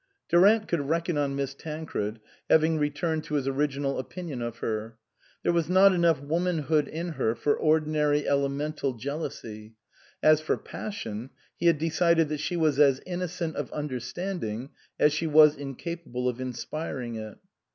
Durant could reckon on Miss Tancred, having returned to his original opinion of her. There was not enough woman hood in her for ordinary elemental jealousy ; as for passion, he had decided that she was as innocent of understanding as she was incapable of inspiring it.